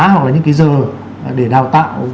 hoặc là những cái giờ để đào tạo